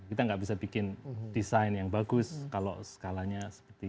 kita nggak bisa bikin desain yang bagus kalau skalanya seperti